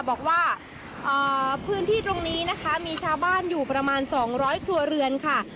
บอกว่าพื้นที่ตรงนี้นะคะมีชาวบ้านอยู่ประมาณ๒๐๐ครัวเรือนค่ะ